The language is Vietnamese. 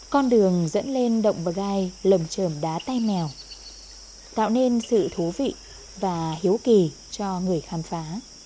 con đường dẫn lên động bờ gai lầm trờm đá tai mèo tạo nên sự thú vị và hiếu kỳ cho người khám phá